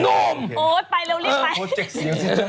โอ๊ยไปเร็วรีบไป